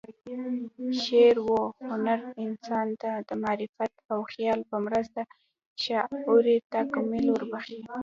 شعر و هنر انسان ته د معرفت او خیال په مرسته شعوري تکامل وربخښي.